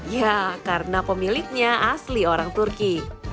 ya karena pemiliknya asli orang turki